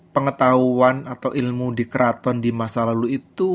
pengetahuan atau ilmu di keraton di masa lalu itu